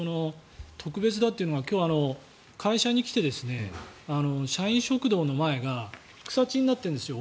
特別だというのが今日、会社に来て社員食堂の前が草地になっているんですよ。